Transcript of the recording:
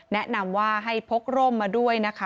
แนะนำว่าให้พกร่มมาด้วยนะคะ